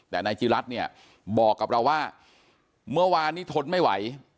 แต่นายจิรัตน์เนี่ยบอกกับเราว่าเมื่อวานนี้ทนไม่ไหว